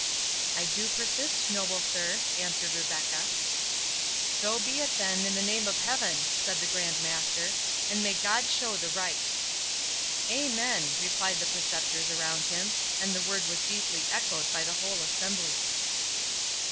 "I do persist, noble sir," answered Rebecca. "So be it then, in the name of Heaven," said the Grand Master; "and may God show the right!" "Amen," replied the Preceptors around him, and the word was deeply echoed by the whole assembly.